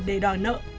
để đòi nợ